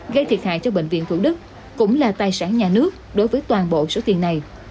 gây thiệt hại cho bệnh viện thủ đức cũng là tài sản nhà nước đối với toàn bộ số tiền này